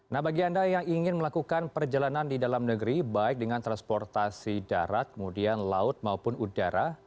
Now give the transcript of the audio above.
nah bagi anda yang ingin melakukan perjalanan di dalam negeri baik dengan transportasi darat kemudian laut maupun udara